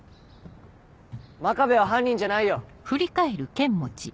真壁は犯人じゃないよ。